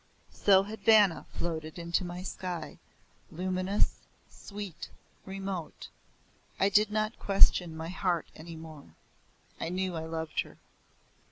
So had Vanna floated into my sky, luminous, sweet, remote. I did not question my heart any more. I knew I loved her.